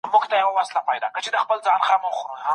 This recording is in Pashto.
دروني ارامي د بریا اصلي سرچینه ده.